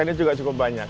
ini juga cukup banyak